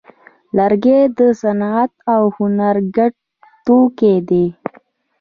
لرګی د صنعت او هنر ګډ توکی دی.